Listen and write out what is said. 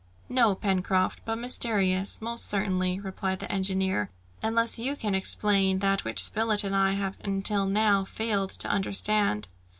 "No, Pencroft, but mysterious, most certainly," replied the engineer; "unless you can explain that which Spilett and I have until now failed to understand."